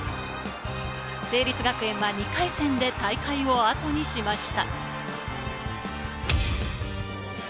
成立学園は２回戦で大会をあとにしました。